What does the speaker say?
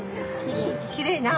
きれいなあ。